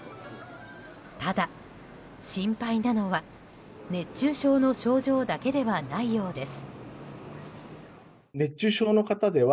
ただ、心配なのは熱中症の症状だけではないようです。